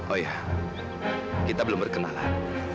oh ya kita belum berkenalan